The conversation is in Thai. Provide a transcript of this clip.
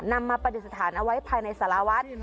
นำมาประเดศฐานเอาไว้ภายในสลาวัฒน์